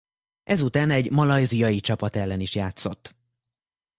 Ezután egy malajziai csapat ellen is játszott.